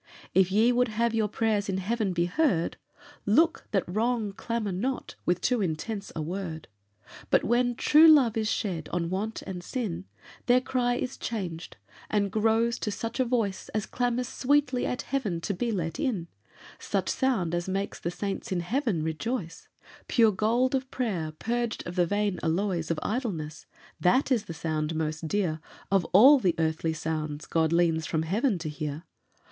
If ye would have your prayers in heaven be heard, Look that wrong clamour not with too intense a word. "But when true love is shed on want and sin, Their cry is changed, and grows to such a voice As clamours sweetly at heaven to be let in Such sound as makes the saints in heaven rejoice; Pure gold of prayer, purged of the vain alloys Of idleness that is the sound most dear Of all the earthly sounds God leans from heaven to hear.